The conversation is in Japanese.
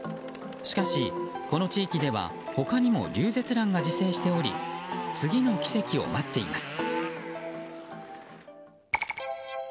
しかし、この地域では他にもリュウゼツランが自生しており次の奇跡を待っています。